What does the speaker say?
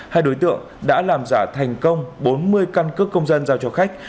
hai đối tượng đã làm giả thành công bốn mươi căn cước công dân giao cho khách